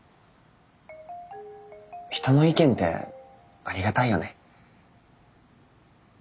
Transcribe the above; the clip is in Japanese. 人の意見ってありがたいよね。